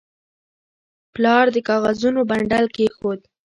پلار د کاغذونو بنډل کېښود.